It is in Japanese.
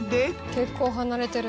結構離れてる。